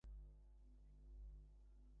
পঞ্জিকা মিলাইয়া খুব একটা শুভলগ্নে বিবাহ হইয়া গেল।